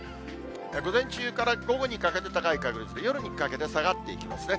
午前中から午後にかけて高い確率で、夜にかけて下がっていきますね。